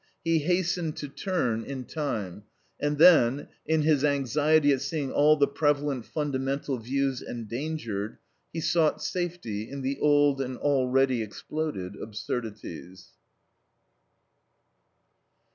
He hastened to turn in time, and then, in his anxiety at seeing all the prevalent fundamental views endangered, he sought safety in the old and already exploded absurdities.